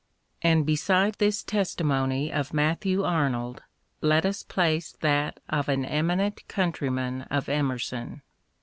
And beside this testimony of Matthew Arnold let us place that of an eminent countryman of Emerson.